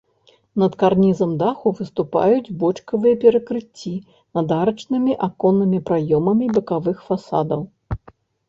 Над карнізам даху выступаюць бочкавыя перакрыцці над арачнымі аконнымі праёмамі бакавых фасадаў.